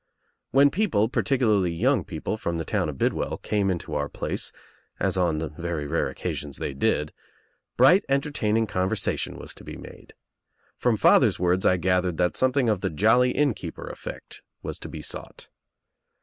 When people, particularly young people from the town of Bidwell, came Into our place, as on very rare oc casions they did, bright entertaining conversation was to be made. From father's words I gathered that something of the jolly inn keeper effect was to be sought.